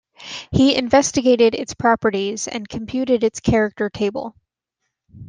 He investigated its properties and computed its character table.